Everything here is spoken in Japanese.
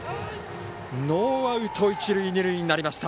ノーアウト一塁二塁になりました。